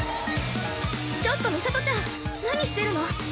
◆ちょっとミサトちゃん、何してるの。